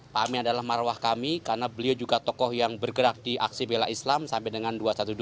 pak amin adalah marwah kami karena beliau juga tokoh yang bergerak di aksi bela islam sampai dengan dua ratus dua belas